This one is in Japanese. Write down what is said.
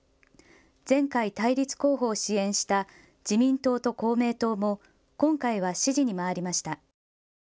前回、対立候補を支援した自民党と公明党も今回は支持に回りました。